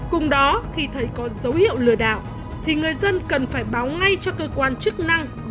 cùng đó khi thấy có dấu hiệu lừa đảo thì người dân cần phải báo ngay cho cơ quan chức năng để ngăn chặn kịp thời